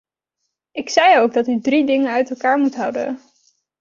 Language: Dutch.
Ik zei ook dat u drie dingen uit elkaar moet houden.